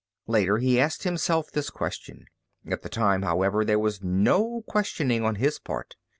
Later, he asked himself this question. At the time, however, there was no questioning on his part.